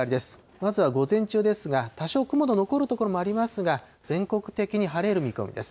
まずは午前中ですが、多少雲の残る所もありますが、全国的に晴れる見込みです。